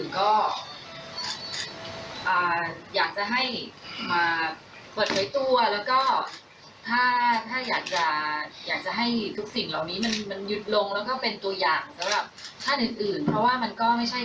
ก็อยากให้เป็นตัวอย่างว่ามันมันไม่ควรจะเกิดเรื่องแบบนี้แล้ว